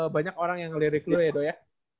banyak orang yang ngelirik lu ya dok ya